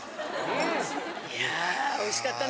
いやおいしかったね。